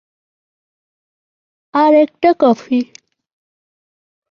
আর একটা কফি।